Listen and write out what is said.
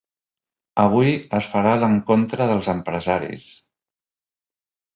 Avui es farà l’encontre dels empresaris.